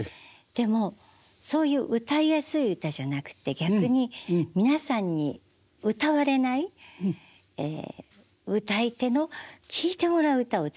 でもそういう歌いやすい歌じゃなくて逆に皆さんに歌われない歌い手の聴いてもらう歌を作る。